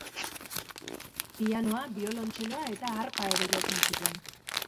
Pianoa, biolontxeloa eta harpa ere jotzen zituen.